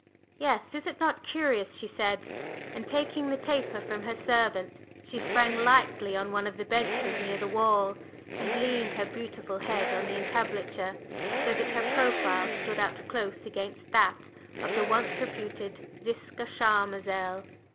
"Yes, is it not curious?" she said, and, taking the taper from her servant, she sprang lightly on one of the benches near the wall and leaned her beautiful head on the entablature, so that her profile stood out close against that of the once reputed Ziska Charmazel.